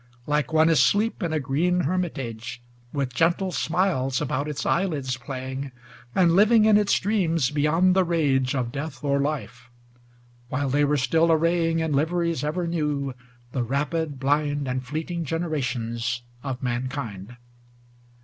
Like one asleep in a green hermitage. With gentle smiles about its eyelids playing, And living in its dreams beyond the rage Of death or life, while they were still arraying In liveries ever new the rapid, blind. And fleeting generations of mankind.